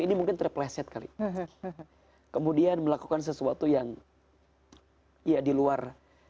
ini mungkin terpleset kali kemudian melakukan sesuatu yang iya diluar